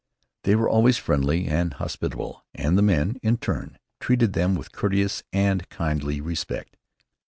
They were always friendly and hospitable, and the men, in turn, treated them with courteous and kindly respect.